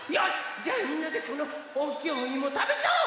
じゃあみんなでこのおおきいおいもたべちゃおう！